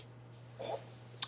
あっ。